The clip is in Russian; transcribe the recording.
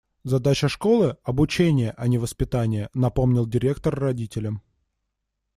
«Задача школы - обучение, а не воспитание», - напомнил директор родителям.